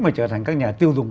mà trở thành các nhà tiêu dùng